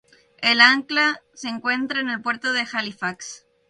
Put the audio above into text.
El ancla se encuentra en el puerto de Halifax.